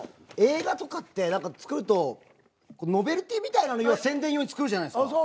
映画とかって作るとノベルティみたいなの宣伝用に作るじゃないですか。